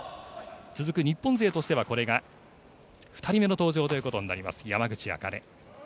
続く日本勢としてはこれが２人目の登場ということになります、山口茜。